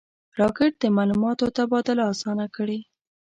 راکټ د معلوماتو تبادله آسانه کړې